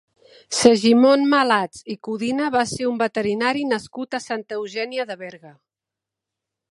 Segimon Malats i Codina va ser un veterinari nascut a Santa Eugènia de Berga.